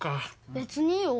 別にいいよ